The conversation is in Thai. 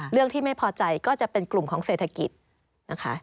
ที่ไม่พอใจก็จะเป็นกลุ่มของเศรษฐกิจนะคะ